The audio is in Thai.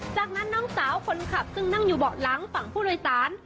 จากนั้นน้องสาวคนขับซึ่งนั่งอยู่เบาะหลังฝั่งผู้โดยสาร